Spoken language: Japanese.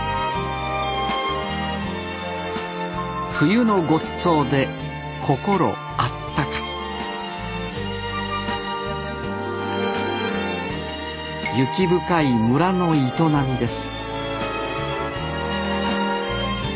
冬のごっつぉで心あったか雪深い村の営みです